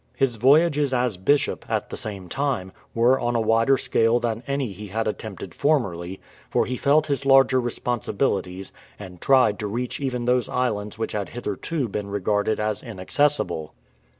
His voyages as Bishop, at the same time, were on a wider scale than any he had attempted formerly, for he felt his larger responsibilities, and tried to reach even those islands which had hitherto been regarded as in accessible.